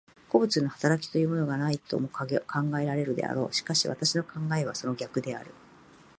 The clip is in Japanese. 個物の働きというものがないとも考えられるであろう。しかし私の考えはその逆である。